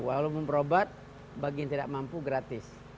walau memperobat bagi yang tidak mampu gratis